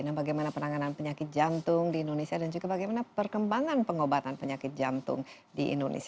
nah bagaimana penanganan penyakit jantung di indonesia dan juga bagaimana perkembangan pengobatan penyakit jantung di indonesia